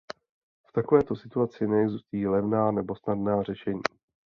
V takovéto situaci neexistují levná nebo snadná řešení.